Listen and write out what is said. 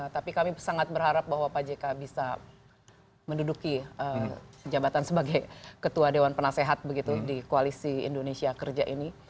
tapi kami sangat berharap bahwa pak jk bisa menduduki jabatan sebagai ketua dewan penasehat begitu di koalisi indonesia kerja ini